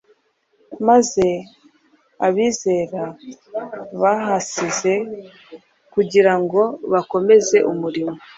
maze abizera bahasize kugira ngo bakomeze umurimo